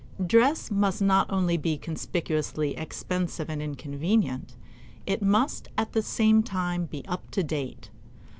Dress must not only be conspicuously expensive and inconvenient, it must at the same time be up to date.